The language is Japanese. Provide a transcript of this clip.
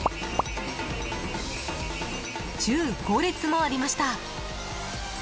１５列もありました。